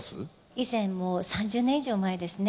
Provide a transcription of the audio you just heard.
以前も３０年以上前ですね。